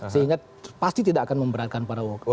sehingga pasti tidak akan memberatkan para wakil